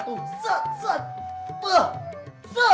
tuh tuh tuh